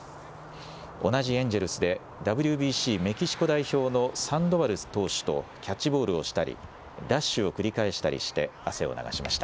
同じエンジェルスで、ＷＢＣメキシコ代表のサンドバル投手とキャッチボールをしたり、ダッシュを繰り返したりして汗を流しました。